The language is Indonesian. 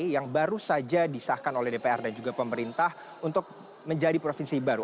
yang baru saja disahkan oleh dpr dan juga pemerintah untuk menjadi provinsi baru